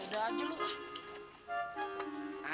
udah aja luka